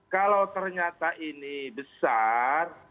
kalau ternyata ini besar